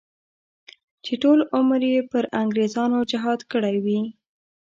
چې ټول عمر یې پر انګریزانو جهاد کړی وي.